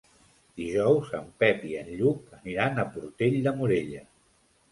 Dijous en Pep i en Lluc aniran a Portell de Morella.